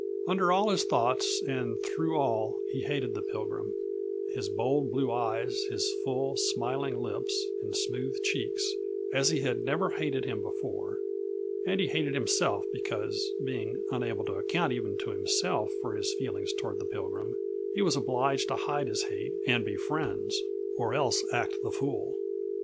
Under all his thoughts and through all he hated the Pilgrim, his bold blue eyes, his full, smiling lips and smooth cheeks, as he had never hated him before; and he hated himself because, being unable to account even to himself for his feelings toward the Pilgrim, he was obliged to hide his hate and be friends or else act the fool.